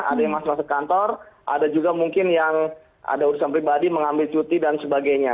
ada yang masuk kantor ada juga mungkin yang ada urusan pribadi mengambil cuti dan sebagainya